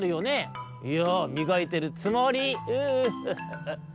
「いやみがいてるつもり」。